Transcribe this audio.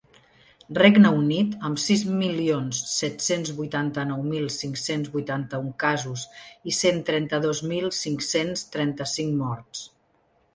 Regne Unit, amb sis milions set-cents vuitanta-nou mil cinc-cents vuitanta-un casos i cent trenta-dos mil cinc-cents trenta-cinc morts.